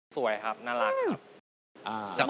สวยครับน่ารักครับ